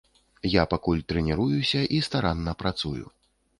Я пакуль трэніруюся і старанна працую.